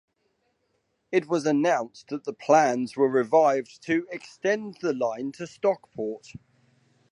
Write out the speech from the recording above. It was announced that the plans were revived to extend the line to Stockport.